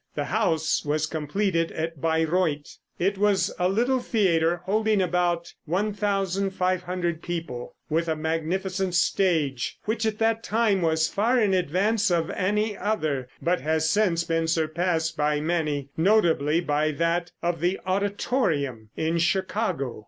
The house was completed at Bayreuth. It was a little theater holding about 1,500 people, with a magnificent stage, which at that time was far in advance of any other, but has since been surpassed by many, notably by that of the Auditorium, in Chicago.